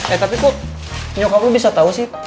eh tapi kok nyokap lo bisa tau sih